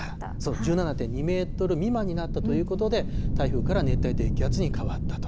１７．２メートル未満になったということで、台風から熱帯低気圧に変わったと。